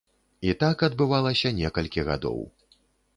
І так адбывалася некалькі гадоў.